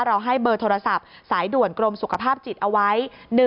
ให้เบอร์โทรศัพท์สายด่วนกรมสุขภาพจิตเอาไว้